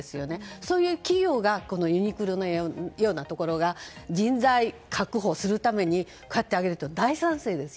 そういう企業がユニクロのようなところが人材確保するために買ってあげるの大賛成ですし